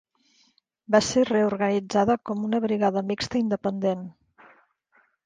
Va ser reorganitzada com una brigada mixta independent.